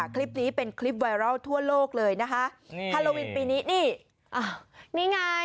คลิปนี้เป็นทั่วโลกเลยนะคะนี่ฮาโลวินปีนี้นี่อ่ะนี่ไง